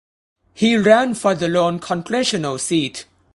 He ran for the lone congressional seat.